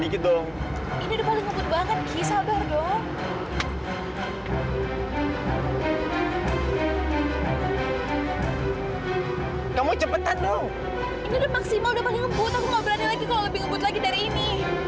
aku mau berani lagi kalau lebih ngebut lagi dari ini